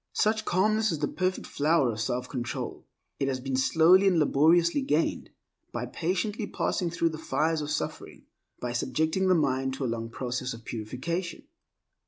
Such calmness is the perfect flower of self control. It has been slowly and laboriously gained, by patiently passing through the fires of suffering, by subjecting the mind to a long process of purification.